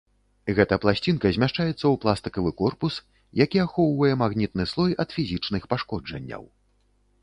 Гэта пласцінка змяшчаецца ў пластыкавы корпус, які ахоўвае магнітны слой ад фізічных пашкоджанняў.